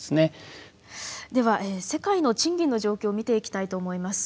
では世界の賃金の状況を見ていきたいと思います。